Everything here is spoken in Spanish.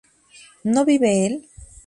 ¿no vive él?